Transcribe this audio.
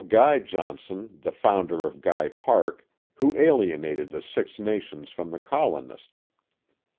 Guy John son, the founder of Guy Park, who alienated the Six Nations from the colonists.